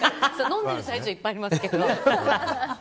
飲んでる最中はありますけど。